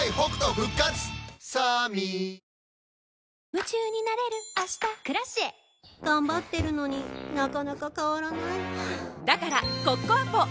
夢中になれる明日「Ｋｒａｃｉｅ」頑張ってるのになかなか変わらないはぁだからコッコアポ！